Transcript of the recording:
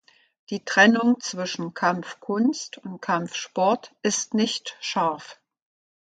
Die Trennung zwischen Kampfkunst und Kampfsport ist nicht scharf.